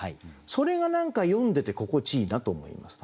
それが何か読んでて心地いいなと思います。